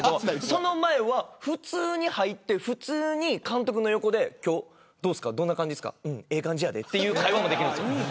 その前は普通に入って普通に監督の横で今日どんな感じですかええ感じやでという会話もできる。